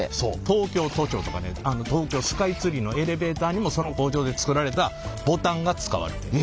東京都庁とかね東京スカイツリーのエレベーターにもその工場で作られたボタンが使われている。